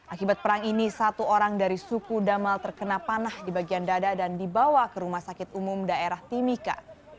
akibat perang ini satu orang dari suku damal terkena panah di bagian dada dan dibawa ke rumah sakit umum daerah timika